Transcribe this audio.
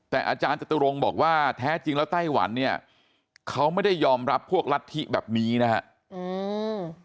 แต่อาจารย์จตุรงค์บอกว่าแท้จริงแล้วไต้หวันเนี่ยเขาไม่ได้ยอมรับพวกรัฐธิแบบนี้นะครับ